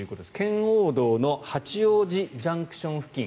圏央道の八王子ＪＣＴ付近。